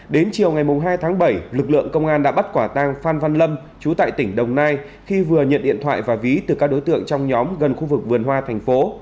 đến chiều ngày hai tháng bảy lực lượng công an đã bắt quả tang phan văn lâm chú tại tỉnh đồng nai khi vừa nhận điện thoại và ví từ các đối tượng trong nhóm gần khu vực vườn hoa thành phố